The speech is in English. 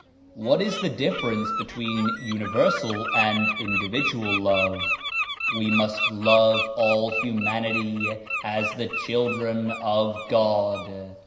"What is the difference between universal and individual love?" "We must love all humanity as the children of God.